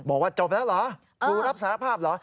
บอกว่าจบแล้วเหรอครูรับสารภาพเหรอ